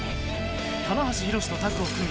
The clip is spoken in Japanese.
棚橋弘至とタッグを組み